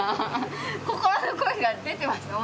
心の声が出てました。